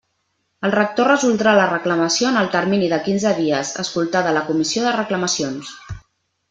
El rector resoldrà la reclamació en el termini de quinze dies, escoltada la Comissió de Reclamacions.